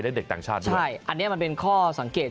เด็กต่างชาติด้วยใช่อันนี้มันเป็นข้อสังเกต